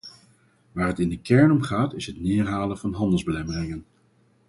Waar het in de kern om gaat is het neerhalen van handelsbelemmeringen.